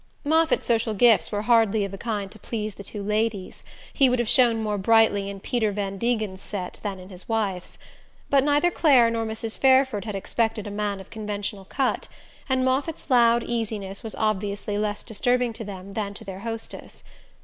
Moffatt's social gifts were hardly of a kind to please the two ladies: he would have shone more brightly in Peter Van Degen's set than in his wife's. But neither Clare nor Mrs. Fairford had expected a man of conventional cut, and Moffatt's loud easiness was obviously less disturbing to them than to their hostess.